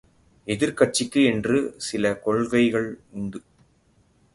எதிர்க்கட்சிக்கு என்று சில கொள்கைகள் உண்டு.